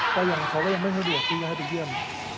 ก็ยังเขาก็ยังไม่ให้เรียกที่ให้ไปเยี่ยม